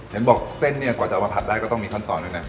เห็นบอกเส้นเนี่ยกว่าจะเอามาผัดได้ก็ต้องมีขั้นตอนด้วยนะ